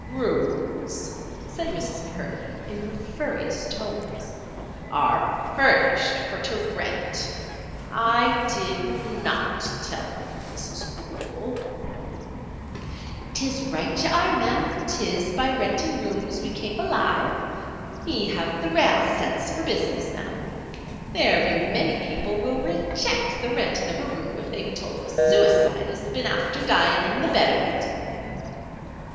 "Rooms," said Mrs. Purdy, in her furriest tones, "are furnished for to rent. I did not tell him, Mrs. McCool." "'Tis right ye are, ma'am; 'tis by renting rooms we kape alive. Ye have the rale sense for business, ma'am. There be many people will rayjict the rentin' of a room if they be tould a suicide has been after dyin' in the bed of it."